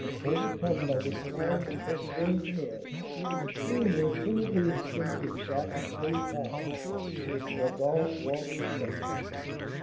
Overcome by this kind and persevering command, the Chourineur timidly extended his black and horny palm, which Rodolph warmly shook.